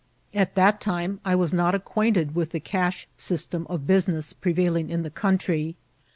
At that time I was not acquainted with the cash system of busi ness prevailing in the country.